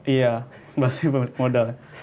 iya pasti pemilik modal